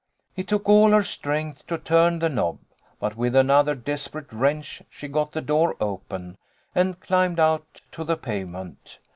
It took all her strength to turn the knob, but with another desperate wrench she got the door open, and climbed out to the pavement.